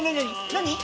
何？